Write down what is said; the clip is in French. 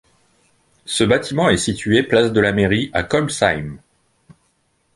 Ce bâtiment est situé place de la Mairie à Kolbsheim.